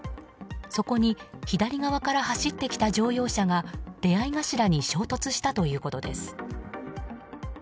そこに、左側から走ってきた乗用車が出合い頭に衝突したということです。